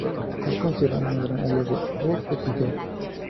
Es considerada un gran área recreativa.